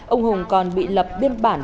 ông hùng còn bị lập biên bản